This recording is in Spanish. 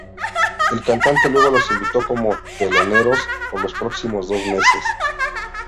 El cantante luego los invitó como teloneros por los próximos dos meses.